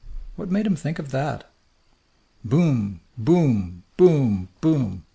What made him think of that? "Boom boom boom boom!"